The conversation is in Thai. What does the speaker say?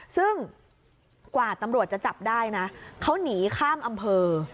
ซึ่งกว่าตำรวจจะจับได้นะเขาหนีข้ามอำเภอ